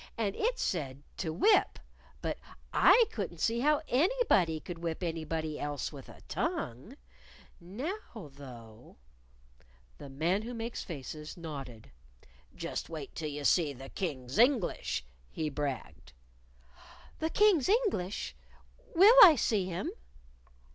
And it said 'to whip.' But I couldn't see how anybody could whip anybody else with a tongue. Now, though " The Man Who Makes Faces nodded. "Just wait till you see the King's English," he bragged. "The King's English? Will I see him?"